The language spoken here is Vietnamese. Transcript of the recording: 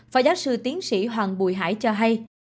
phó giáo sư tiến sĩ hoàng bùi hải cho hay